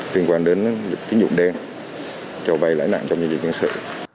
liên quan đến kinh dụng đen cho bay lãi nạn trong nhân dân chứng xử